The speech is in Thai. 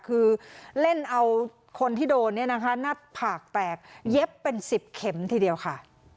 คือเล่นเอาคนที่โดนเนี่ยนะคะหน้าผากแตกเย็บเป็น๑๐เข็มทีเดียวค่ะ